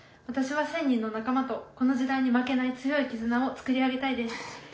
私は１，０００人の仲間とこの時代に負けない強い絆を作り上げたいです。